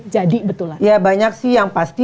jadi betul lah ya banyak sih yang pasti